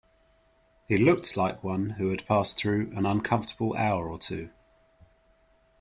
He looked like one who had passed through an uncomfortable hour or two.